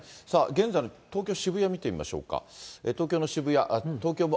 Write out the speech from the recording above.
現在の東京・渋谷、見てみましょうか。